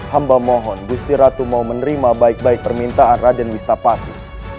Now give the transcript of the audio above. hamba mohon gusti ratu mau menerima baik baik permintaan raden wistapati